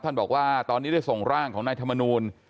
บอกว่าตอนนี้ได้ส่งร่างของนายธรรมนูล